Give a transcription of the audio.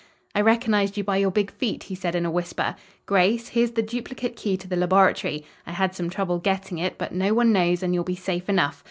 "I recognized you by your big feet," he said in a whisper. "Grace, here's the duplicate key to the laboratory. I had some trouble getting it, but no one knows, and you'll be safe enough.